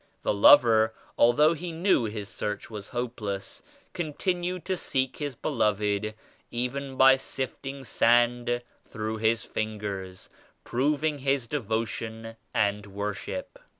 The lover although he knew his search was hopeless, continued to seek his beloved even by sifting sand through his fingers, proving his devotion and worship.